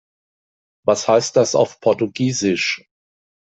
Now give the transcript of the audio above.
Was heißt das auf Portugiesisch?